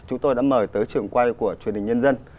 chúng tôi đã mời tới trường quay của truyền hình nhân dân